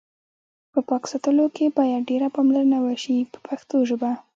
په پاک ساتلو کې باید ډېره پاملرنه وشي په پښتو ژبه.